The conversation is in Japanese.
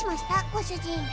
ご主人。